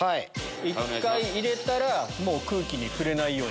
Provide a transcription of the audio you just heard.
１回入れたら空気に触れないように。